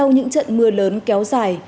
những trận mưa lớn kéo dài